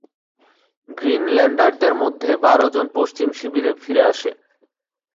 গ্রীনল্যান্ডারদের মধ্যে বারো জন পশ্চিম শিবিরে ফিরে আসে।